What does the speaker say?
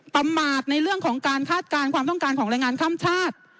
ประมาทในเรื่องของการคาดการณ์ความต้องการของแรงงานข้ามชาติ